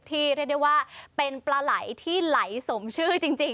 เรียกได้ว่าเป็นปลาไหล่ที่ไหลสมชื่อจริง